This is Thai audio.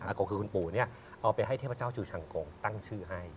กงคือคุณปู่เนี่ยเอาไปให้เทพเจ้าจูชังกงตั้งชื่อให้